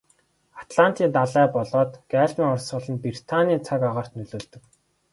Атлантын далай болоод Галфын урсгал нь Британийн цаг агаарт нөлөөлдөг.